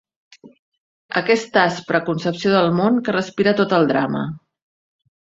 Aquesta aspra concepció del món que respira tot el drama